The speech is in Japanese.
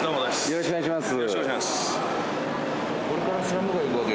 よろしくお願いします